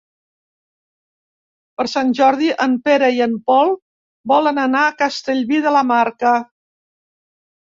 Per Sant Jordi en Pere i en Pol volen anar a Castellví de la Marca.